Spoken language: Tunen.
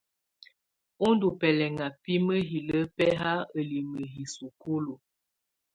Ú ndù bɛlɛŋa bi mǝhilǝ bɛhaa ǝlimǝ yi sukulu.